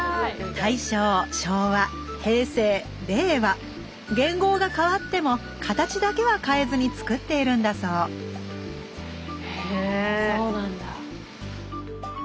大正昭和平成令和元号が変わっても形だけは変えずにつくっているんだそうへえそうなんだ。